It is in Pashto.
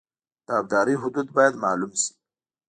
د ابدارۍ حدود باید معلوم شي